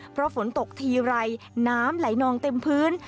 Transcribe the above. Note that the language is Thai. เพราะฝนตกทีไรน้ำไหลนองเต็มพื้น